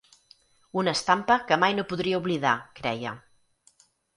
Una estampa que mai no podria oblidar, creia.